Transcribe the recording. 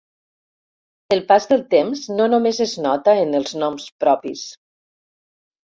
El pas del temps no només es nota en els noms propis.